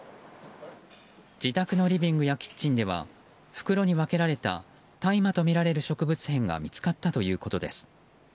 自宅のリビングやキッチンでは袋に分けられた大麻とみられる植物片が見つかったということです。